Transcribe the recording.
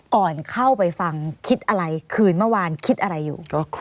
ก่อนเข้าไปฟังคิดอะไรคืนเมื่อวานคิดอะไรอยู่